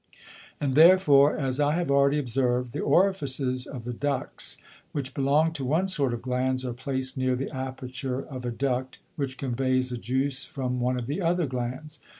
And therefore, as I have already observ'd, the Orifices of the Ducts, which belong to one sort of Glands, are placed near the Aperture of a Duct, which conveys a Juice from one of the other Glands.